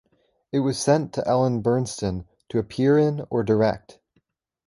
It was sent to Ellen Burstyn to appear in or direct.